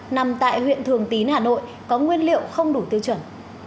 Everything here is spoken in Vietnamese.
nằm tại huyện thường tín hà nội có nguyên liệu không đủ tiêu chuẩn